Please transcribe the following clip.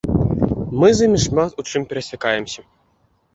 Мы з імі шмат у чым перасякаемся.